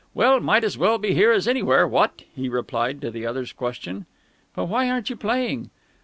"Well, might as well be here as anywhere, what?" he replied to the other's question. "But why aren't you playing?"